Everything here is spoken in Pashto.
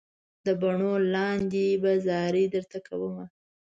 د باڼو لاندې به زارۍ درته کوم.